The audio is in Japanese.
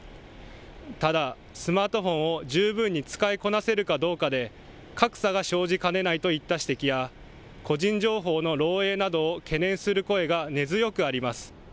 ただスマートフォンを十分に使いこなせるかどうかで格差が生じかねないといった指摘や個人情報の漏えいなどを懸念する声が根強くあります。